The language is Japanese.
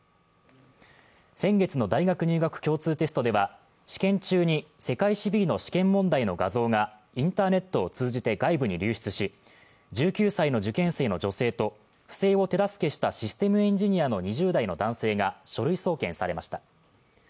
先月の大学入学共通テストでは、試験中に世界史Ｂの試験問題の画像がインターネットを通じて外部に流出し１９歳の受験生の女性と不正を手助けしたシステムエンジニアの２０代の男性が書類送検されました。